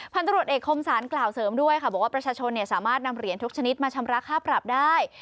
พันธุรกิจเอกคมสารกล่าวเสริมด้วยค่ะบอกว่าประชาชนสามารถนำเหรียญทุกชนิดมาชำระค่าปรับได้